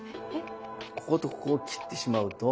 こことここを切ってしまうと。